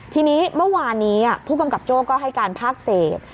ทีนี้เมื่อวานนี้ผู้กำกับโจ้ก็ให้การภาคเศษ